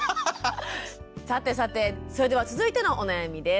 さてさてそれでは続いてのお悩みです。